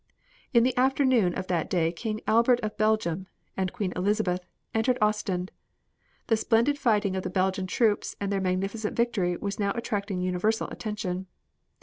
In the afternoon of the day King Albert of Belgium, and Queen Elizabeth entered Ostend. The splendid fighting of the Belgian troops and their magnificent victory was now attracting universal attention.